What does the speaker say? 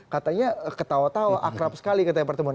katanya ketawa tawa akrab sekali ketika bertemu